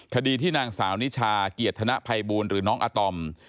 คดีที่นางสาวนิชาเกียรติธนภัยบูลหรือน้องอาตอม